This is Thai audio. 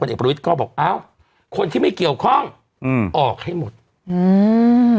เอกประวิทย์ก็บอกอ้าวคนที่ไม่เกี่ยวข้องอืมออกให้หมดอืม